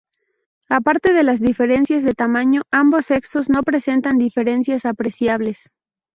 Aparte de las diferencias de tamaño, ambos sexos no presentan diferencias apreciables.